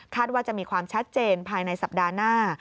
ว่าจะมีความชัดเจนภายในสัปดาห์หน้า